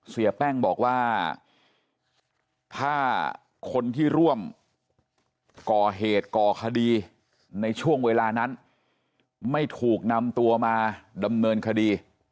เสียแป้งบอกว่าถ้าคนที่ร่วมก่อเหตุก่อคดีในช่วงเวลานั้นไม่ถูกนำตัวมาดำเนินคดี